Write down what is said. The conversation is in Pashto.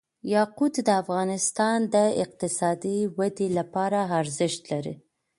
یاقوت د افغانستان د اقتصادي ودې لپاره ارزښت لري.